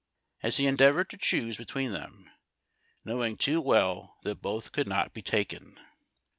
as he endeavored to choose between them, knowing too well that both could not be taken.